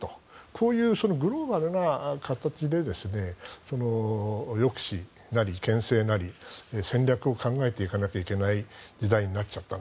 こういうグローバルな形で抑止なりけん制なり戦略を考えていかなきゃいけない時代になってきちゃった。